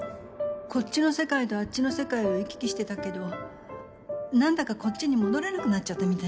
こっちの世界とあっちの世界を行き来してたけどなんだかこっちに戻れなくなっちゃったみたいなの。